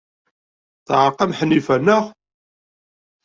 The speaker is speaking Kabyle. Teɛreq-am Ḥnifa, naɣ?